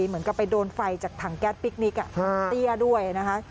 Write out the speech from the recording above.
เหมือนกับไปโดนไฟจากถังแก๊สพิคนิคเตี้ยด้วยนะคะ